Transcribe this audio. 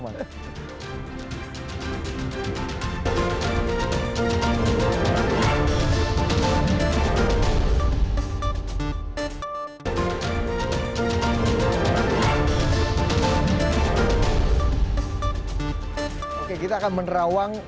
oke kita akan menerawang